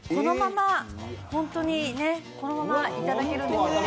本当に、このままいただけるんですよね。